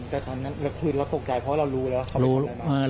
แต่ตอนนั้นคือเราตกใจเพราะเรารู้แล้วเขารู้ลงมา